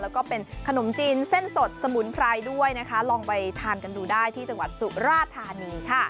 แล้วก็เป็นขนมจีนเส้นสดสมุนไพรด้วยนะคะลองไปทานกันดูได้ที่จังหวัดสุราธานีค่ะ